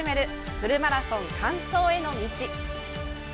フルマラソン完走への道」。